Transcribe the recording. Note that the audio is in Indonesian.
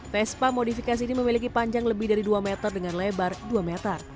vespa modifikasi ini memiliki panjang lebih dari dua meter dengan lebar dua meter